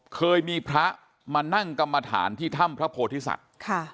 เคยมีพระมานั่งกรรมฐานที่ถ้ำพระโพธิสัตว์